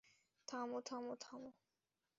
থাম, থাম, থাম।